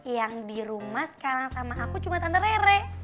yang dirumah sekarang sama aku cuma tante rere